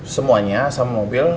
semuanya sama mobil